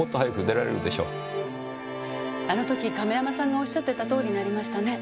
あの時亀山さんがおっしゃってた通りになりましたね。